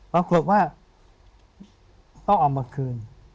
แล้วกรบว่าต้องเอามาคืน